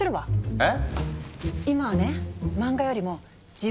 えっ？